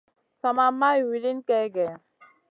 Sa ma maya wilin gey gèh.